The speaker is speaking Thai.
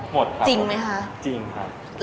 หมดครับจริงไหมคะจริงครับหมดครับ